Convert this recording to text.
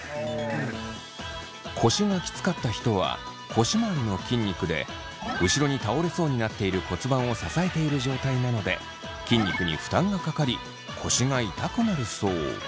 腰がキツかった人は腰まわりの筋肉で後ろに倒れそうになっている骨盤を支えている状態なので筋肉に負担がかかり腰が痛くなるそう。